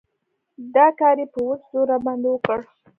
دا کار يې په وچ زور راباندې وکړ.